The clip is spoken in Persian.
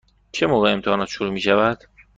چه موقع امتحانات شروع می شوند؟